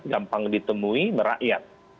gampang ditemui berakyat